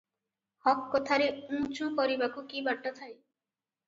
ହକ୍ କଥାରେ ଉଁ ଚୁ କରିବାକୁ କି ବାଟ ଥାଏ?